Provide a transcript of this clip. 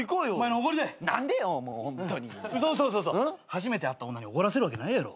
初めて会った女におごらせるわけないやろ。